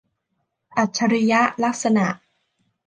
อัจฉริยลักษณะ